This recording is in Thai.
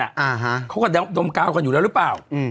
อ่าฮะเขาก็ดมดมกาวกันอยู่แล้วหรือเปล่าอืม